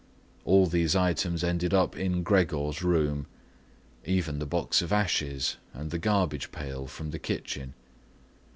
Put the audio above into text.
All these items ended up in Gregor's room, even the box of ashes and the garbage pail from the kitchen.